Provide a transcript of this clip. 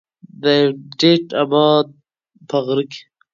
د ايبټ اباد په غره کې